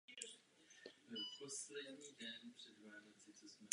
Možným nebezpečím je také malá genetická rozmanitost.